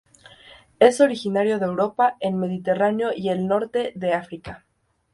Es originario de Europa, el Mediterráneo y el norte de África.